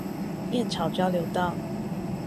燕巢交流道